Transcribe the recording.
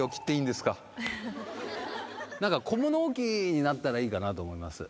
何か小物置きになったらいいかなと思います。